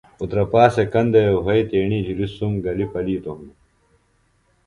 اُترپا سےۡ کندہ وے وھئیۡ تیڻی جُھلیۡ سُم گلیۡ پلِیتوۡ ہنوۡ